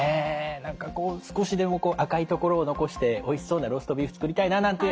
何かこう少しでも赤い所を残しておいしそうなローストビーフ作りたいななんて。